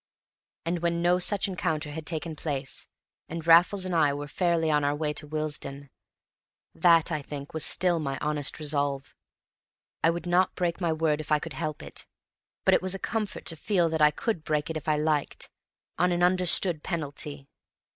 And when no such encounter had taken place, and Raffles and I were fairly on our way to Willesden, that, I think, was still my honest resolve. I would not break my word if I could help it, but it was a comfort to feel that I could break it if I liked, on an understood penalty.